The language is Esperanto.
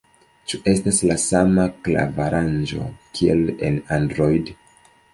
Ĉu estas la sama klav-aranĝo kiel en Android?